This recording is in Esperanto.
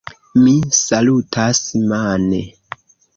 Mi salutas mane.